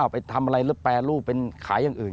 ไปทำอะไรหรือแปรรูปเป็นขายอย่างอื่น